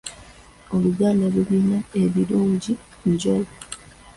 Oluganda lulina ebirungi njolo.